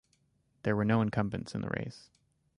There were no incumbents in the race.